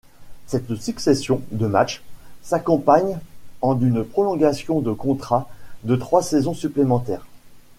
Cette succession de matches s'accompagne en d'une prolongation de contrat de trois saisons supplémentaires.